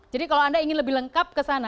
jadi kalau anda ingin lebih lengkap kesana